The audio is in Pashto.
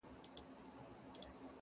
ما ژوندي پر لویو لارو دي شکولي-